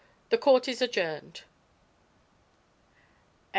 The court is adjourned."